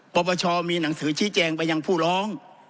ปปชมีหนังสือชี้แจงไปยังผู้ร้อง